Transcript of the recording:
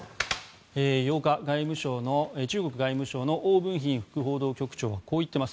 ８日、中国外務省のオウ・ブンヒン副報道局長はこう言っています。